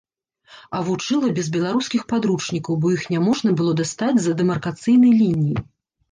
А вучыла без беларускіх падручнікаў, бо іх няможна было дастаць з-за дэмаркацыйнай лініі.